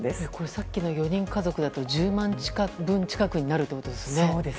さっきの４人家族だと１０万円近くになるということですよね。